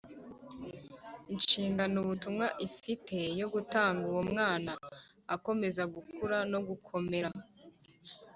Inshingano ubutumwa ifite yo gutanga uwo mwana akomeza gukura no gukomera